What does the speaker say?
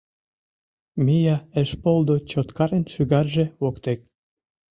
Мия Эшполдо Чоткарын шӱгарже воктек.